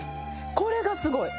これがすごい！